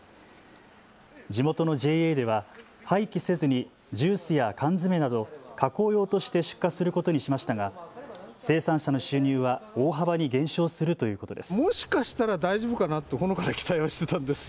地元のＪＡでは廃棄せずにジュースや缶詰など加工用として出荷することにしましたが生産者の収入は大幅に減少するということです。